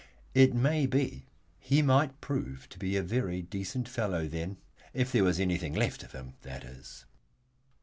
It may be he might prove a very decent fellow then if there was anything left of him, that is.